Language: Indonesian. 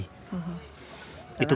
itu pendapatan tradisional